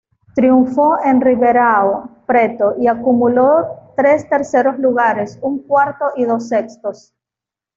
Triunfó en Ribeirão Preto y acumuló tres terceros lugares, un cuarto y dos sextos.